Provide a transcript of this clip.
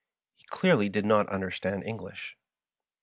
He clearly did not understand English.